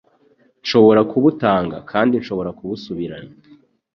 Nshobora kubutanga kandi nshobora kubusubirana. »